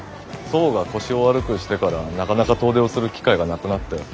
祖母が腰を悪くしてからなかなか遠出をする機会がなくなって。